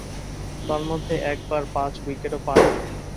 তন্মধ্যে একবার পাঁচ-উইকেটও পান।